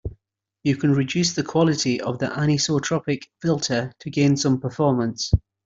You can reduce the quality of the anisotropic filter to gain some performance.